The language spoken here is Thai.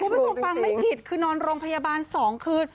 พี่พุทธพรมฟังไม่ผิดคือนอนโรงพยาบาล๒คืน